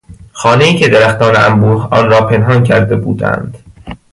خانهای که درختان انبوه آن را پنهان کرده بودند